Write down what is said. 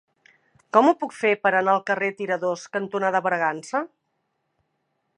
Com ho puc fer per anar al carrer Tiradors cantonada Bragança?